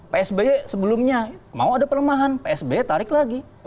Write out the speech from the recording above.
psb sebelumnya mau ada pelemahan psb tarik lagi